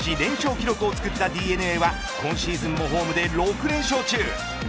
記録をつくったＤｅＮＡは今シーズンもホームで６連勝中。